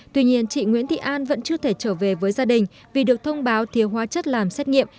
tuy nhiên chị nguyễn thị an vẫn chưa thể trở về với gia đình vì được thông báo thiếu hóa chất làm xét nghiệm